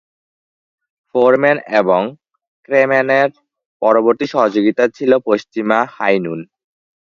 Foreman এবং ক্রেমারের পরবর্তী সহযোগিতা ছিল পশ্চিমা, "হাই নুন"।